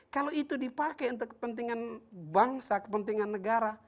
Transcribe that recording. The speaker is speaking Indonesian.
kalau itu dipakai untuk kepentingan bangsa kepentingan negara